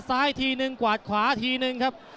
ซ้ายทีนึงกวาดขวาทีนึงครับ